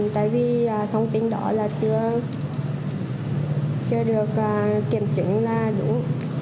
tại vì thông tin đó là chưa được kiểm chứng là đúng